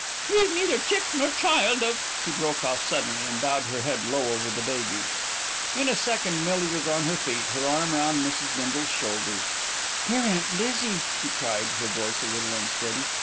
We've neither chick nor child of " She broke off suddenly, and bowed her head low over the baby. In a second Millie was on her feet, her arm round Mrs. Bindle's shoulders. "Dear Aunt Lizzie!" she cried, her voice a little unsteady.